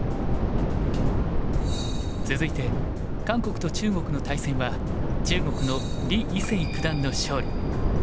続いて韓国と中国の対戦は中国の李維清九段の勝利。